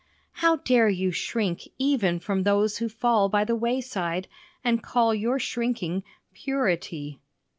How dare you shrink even from those who fall by the wayside, and call your shrinking "purity"!